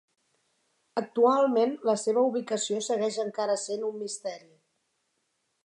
Actualment la seva ubicació segueix encara sent un misteri.